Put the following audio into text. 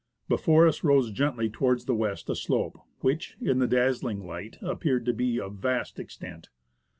Before us rose gently towards the west a slope which, in the dazzling light, appeared to be of vast extent.